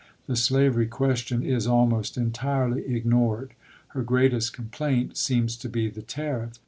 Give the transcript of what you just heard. The slavery question is almost entirely ignored. Her greatest complaint seems to be the tariff, though there Vol.